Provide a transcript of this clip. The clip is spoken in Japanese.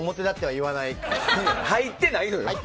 入ってないのよ！